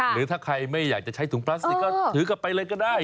หรือถ้าใครไม่อยากจะให้ถุงถือกลับไปเลยก็ได้